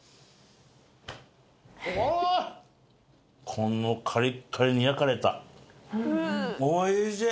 このカリッカリに焼かれたおいしい！